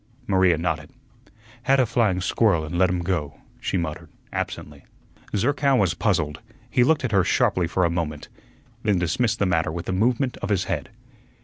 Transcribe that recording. Maria nodded. "Had a flying squirrel an' let him go," she muttered, absently. Zerkow was puzzled; he looked at her sharply for a moment, then dismissed the matter with a movement of his head.